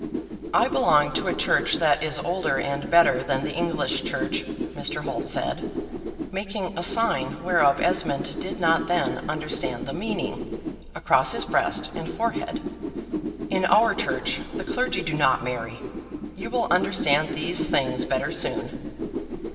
"I belong to a church that is older and better than the English church," Mr. Holt said (making a sign whereof Esmond did not then understand the meaning, across his breast and forehead); "in our church the clergy do not marry. You will understand these things better soon."